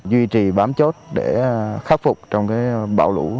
duy trì bám chốt để khắc phục trong bão lũ